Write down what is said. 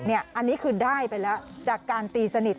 อันนี้คือได้ไปแล้วจากการตีสนิท